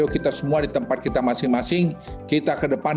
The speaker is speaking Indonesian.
administrasi ini kembang dari dsb pemerintahanannya untuk penjahatan emas